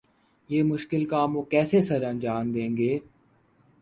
یہ مشکل کام وہ کیسے سرانجام دیں گے؟